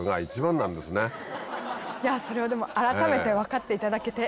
それを改めて分かっていただけて。